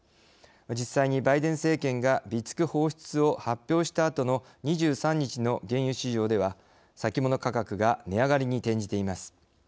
実際にバイデン政権が備蓄放出を発表したあとの２３日の原油市場では先物価格が値上がりに転じています。